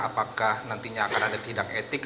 apakah nantinya akan ada sidang etik